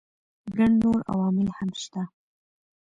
ګڼ نور عوامل هم شته.